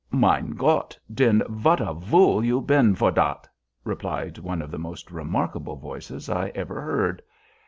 "Mein Gott, den, vat a vool you bees for dat!" replied one of the most remarkable voices I ever heard.